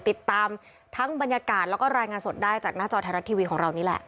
ติดตามทั้งบรรยากาศแล้วก็รายงานสดได้จากหน้าจอไทยรัฐทีวีของเรานี่แหละ